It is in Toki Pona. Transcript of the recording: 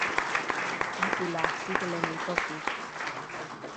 lipu la sitelen li toki.